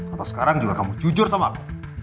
atau sekarang juga kamu jujur sama aku